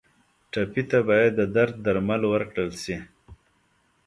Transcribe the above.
ټپي ته باید د درد درمل ورکړل شي.